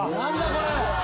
これ。